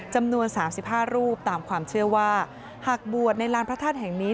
จำนวน๓๕รูปตามความเชื่อว่าหากบวชในลานพระธาตุแห่งนี้